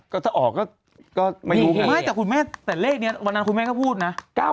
ก็ถ้าออกก็ไม่รู้ไม่แต่คุณแม่แต่เลขนี้วันนั้นคุณแม่ก็พูดนะ